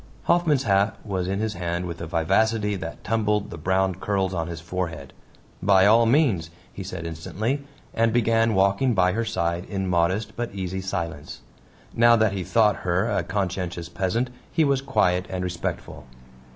Hoffman's hat was in his hand with a vivacity that tumbled the brown curls on his forehead. "By all means," he said instantly, and began walking by her side in modest but easy silence. Now that he thought her a conscientious peasant he was quiet and respectful.